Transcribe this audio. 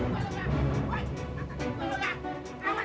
bos jangan digadolin